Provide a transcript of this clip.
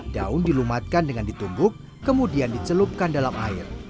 daun dilumatkan dengan ditumbuk kemudian dicelupkan dalam air